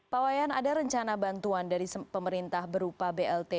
pak wayan ada rencana bantuan dari pemerintah berupa blt